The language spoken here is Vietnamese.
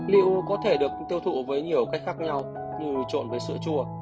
liệu có thể được tiêu thụ với nhiều cách khác nhau như trộn với sữa chùa